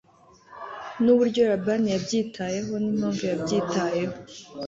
Nuburyo Labani yabyitayehonimpamvu yabyitayeho